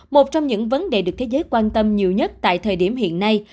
một trong những vấn đề được thế giới quan tâm nhiều nhất tại thời điểm hiện nay